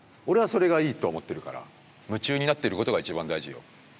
俺はそれがいいと思ってるから夢中になってることが一番大事よ。